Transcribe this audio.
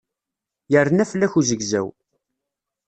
Yerna fell-ak uzegzaw.